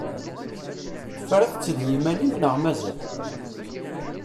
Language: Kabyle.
Tefriḍ-tt d yiman-im neɣ mazal?